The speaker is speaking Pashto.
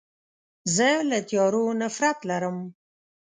زه له تیارو نفرت لرم.